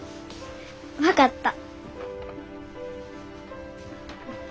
分かった。